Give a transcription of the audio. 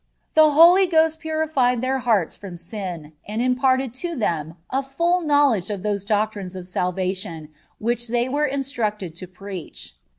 The Holy Ghost purified their hearts from sin, and imparted to them a full knowledge of those doctrines of salvation which they were instructed to preach.